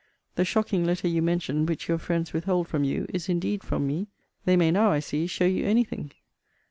The shocking letter you mention, which your friends withhold from you, is indeed from me. They may now, I see, show you any thing.